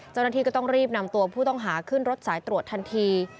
เจ้าหน้าที่ก็ต้องรีบนำตัวผู้ต้องหาขึ้นรถสายตรวจทันที